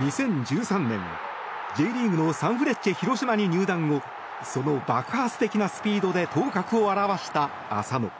２０１３年、Ｊリーグのサンフレッチェ広島に入団後その爆発的なスピードで頭角を現した浅野。